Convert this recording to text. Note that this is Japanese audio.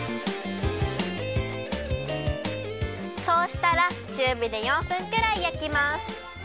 そうしたらちゅうびで４分くらいやきます。